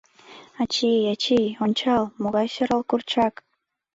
— Ачий, ачий, ончал, могай сӧрал курчак!